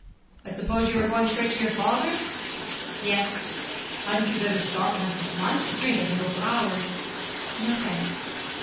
'I suppose you are going straight to your father's?' 'Yes.' 'Hadn't you better stop and have some lunch? The train doesn't go for hours.' 'No, thanks.'